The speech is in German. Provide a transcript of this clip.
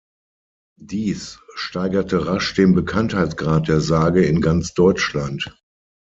Dies steigerte rasch den Bekanntheitsgrad der Sage in ganz Deutschland.